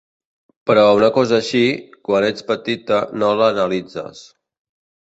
Però una cosa així, quan ets petita no l’analitzes.